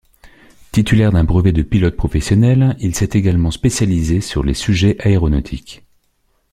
Titulaire d'un brevet de pilote professionnel, il s'est également spécialisé sur les sujets aéronautiques.